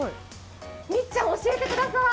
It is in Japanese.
みっちゃん、教えてください。